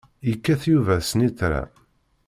Yekkat Yuba snitra.